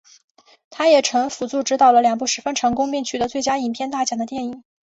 他也曾辅助执导了两部十分成功的并得到最佳影片大奖的电影。